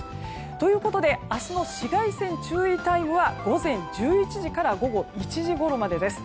ということで明日の紫外線注意タイムは午前１１時から午後１時ごろまでです。